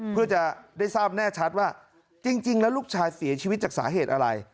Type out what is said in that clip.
เพื่อจะได้ทราบแน่ชัดว่าจริงแล้วลูกชายเสียชีวิตจากสาเหตุอะไร